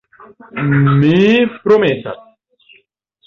Mi promesas.